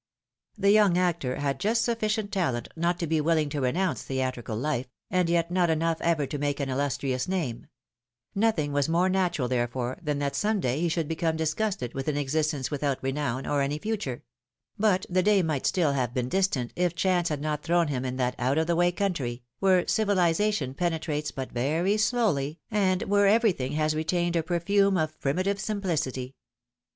The young actor had just sufficient talent not to be PHILOMiiNE's MARRIAGES. 195 willing to renounce theatrical life, and yet not enough ever to make an illustrious name; nothing was more natural therefore, than that some day he should become disgusted with an existence without renown, or any future; but the day might still have been distant, if chance had not thrown him in that out of the way country, where civilization penetrates but very slowly, and where every thing has retained a perfume of primitive simplicity.